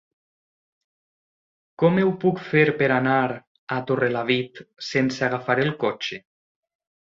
Com ho puc fer per anar a Torrelavit sense agafar el cotxe?